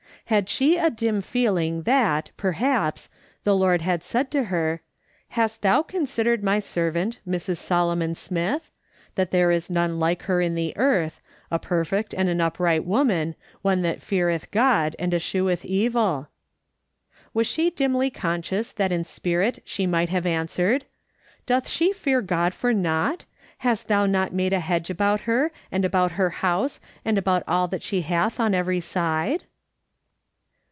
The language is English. Had she a dim feeling that, perhaps, the Lord had said to her, "Hast thou considered my servant, Mrs. Solomon Smith ? that there is none like her in the earth ; a perfect and an upright woman, one that feareth God and escheweth evil ?" Was she dimly conscious that in spirit she might have answered, " Doth she fear God for nought ? Hast thou not made a hedge about her, and about her house, and about all that she hath on every side